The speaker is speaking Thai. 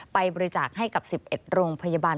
ไปบริจาคให้กับ๑๑โรงพยาบาล